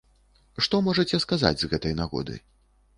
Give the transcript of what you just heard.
Што можаце сказаць з гэтай нагоды?